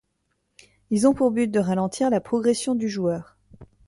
Ils ont pour but de ralentir la progression du joueur.